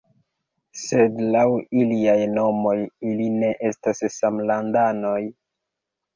Sed laŭ iliaj nomoj ili ne estas samlandanoj!